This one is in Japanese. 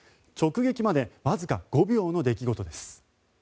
直撃までわずか５秒の出来事です。